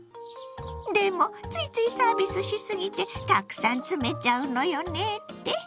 でもついついサービスしすぎてたくさん詰めちゃうのよねって？